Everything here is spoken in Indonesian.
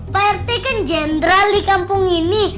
pak rt kan jenderal di kampung ini